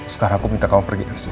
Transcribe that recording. sekarang aku minta kamu pergi langsung